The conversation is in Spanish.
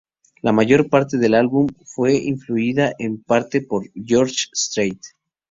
La mayor parte del álbum fue influida en parte por George Strait.